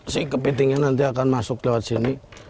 si kepitingnya nanti akan masuk lewat sini